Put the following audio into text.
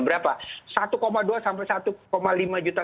berapa satu dua sampai satu lima juta